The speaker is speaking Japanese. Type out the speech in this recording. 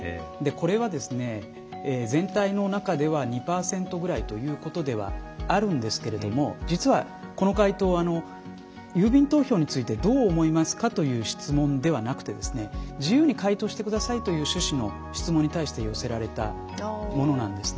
これは全体の中では２％ぐらいということではあるんですけれど実は、この回答郵便投票についてどう思いますか？という質問ではなくて自由に回答してくださいという趣旨の質問に対して寄せられたものなんですね。